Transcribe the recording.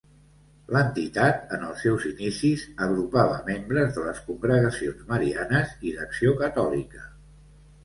L'entitat, en els seus inicis, agrupava membres de les congregacions marianes i d'Acció Catòlica.